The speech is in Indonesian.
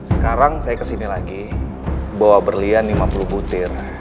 sekarang saya kesini lagi bawa berlian lima puluh butir